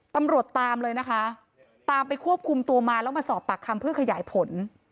ตำรวจตามเลยนะคะตามไปควบคุมตัวมาแล้วมาสอบปากคำเพื่อขยายผล